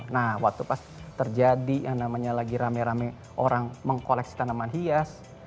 nah waktu pas terjadi yang namanya lagi rame rame orang mengkoleksi tanaman hias